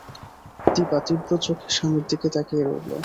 দিপা তীব্র চোখে স্বামীর দিকে তাকিয়ে রইল।